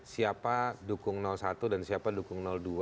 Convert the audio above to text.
siapa dukung satu dan siapa dukung dua